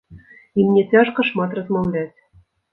І мне цяжка шмат размаўляць.